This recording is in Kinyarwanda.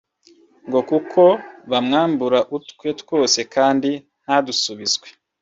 ngo kuko bamwambura utwe twose kandi ntadusubizwe